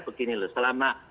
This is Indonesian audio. begini loh selama